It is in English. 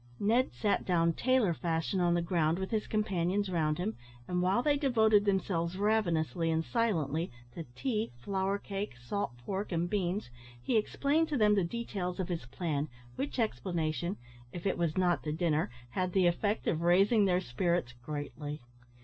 Ned sat down tailor fashion on the ground with his companions round him, and, while they devoted themselves ravenously and silently to tea, flour cake, salt pork, and beans, he explained to them the details of his plan, which explanation, (if it was not the dinner), had the effect of raising their spirits greatly.